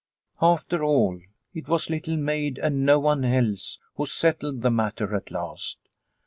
After all, it was Little Maid and no one else who settled the matter at last.